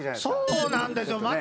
そうなんですよ。